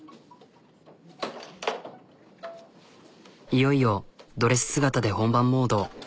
いよいよドレス姿で本番モード。